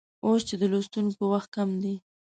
اوس چې د لوستونکو وخت کم دی